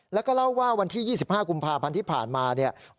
แล้วก็เล่าว่าวันที่๒๕กุมภาพันธ์ที่ผ่านมาเนี่ย